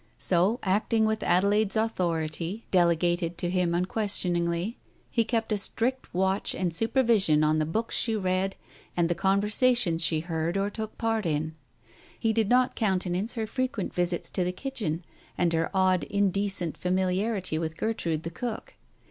So, acting with Adelaide's authority, delegated to him, unquestioningly, he kept a strict watch and supervision on the books she read, and the conversations she heard or took part in. He did not countenance her frequent visits to the kitchen and her odd indecent familiarity with Gertrude the cook.